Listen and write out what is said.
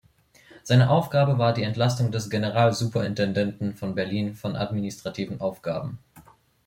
Seine Aufgabe war die Entlastung des Generalsuperintendenten von Berlin von administrativen Aufgaben.